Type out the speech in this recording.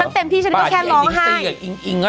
ฉันเต็มที่ฉันก็แค่ร้องไห้